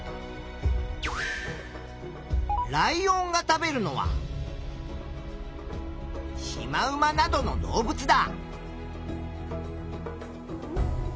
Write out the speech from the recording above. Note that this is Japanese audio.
ライオンが食べるのはシマウマなどの動物だ。